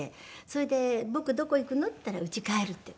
それで「僕どこ行くの？」って言ったら「うち帰る」って。